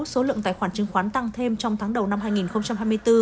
số lượng tài khoản chứng khoán tăng thêm trong tháng đầu năm hai nghìn hai mươi bốn